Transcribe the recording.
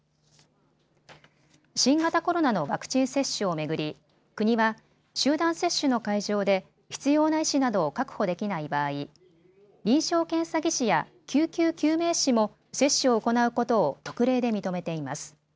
新型コロナのワクチン接種を巡り国は集団接種の会場で必要な医師などを確保できない場合、臨床検査技師や救急救命士も接種を行うことを特例で認めています。